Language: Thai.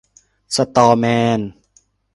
สะตอแมน